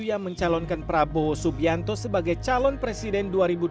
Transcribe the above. yang mencalonkan prabowo subianto sebagai calon presiden dua ribu dua puluh